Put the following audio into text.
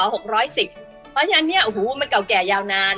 เพราะฉะนั้นเนี่ยโอ้โหมันเก่าแก่ยาวนาน